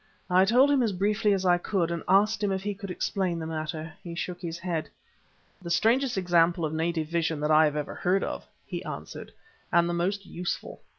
I told him as briefly as I could, and asked him if he could explain the matter. He shook his head. "The strangest example of native vision that I have ever heard of," he answered, "and the most useful.